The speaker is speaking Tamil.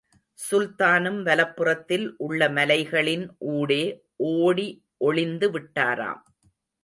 சுல்தானும் வலப்புறத்தில் உள்ள மலைகளின் ஊடே ஓடி ஒளிந்து விட்டாராம்.